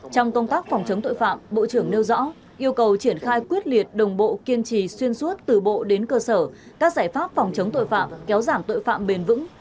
trong công tác phòng chống tội phạm bộ trưởng nêu rõ yêu cầu triển khai quyết liệt đồng bộ kiên trì xuyên suốt từ bộ đến cơ sở các giải pháp phòng chống tội phạm kéo giảm tội phạm bền vững